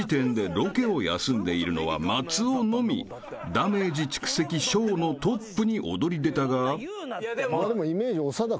［ダメージ蓄積小のトップに躍り出たが］